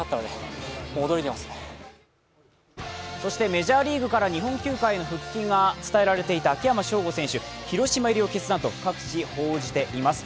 メジャーリーグから日本球界への復帰が伝えられていた秋山翔吾選手、広島入りを決断と各紙報じています。